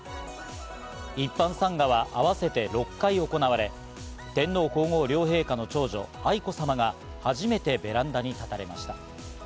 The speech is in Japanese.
一般参賀は合わせて６回行われ、天皇皇后両陛下の長女・愛子さまが初めてベランダに立たれました。